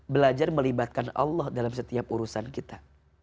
belajar melibatkan allah dalam setiap urusan kita